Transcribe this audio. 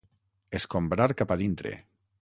Escombrar cap a dintre.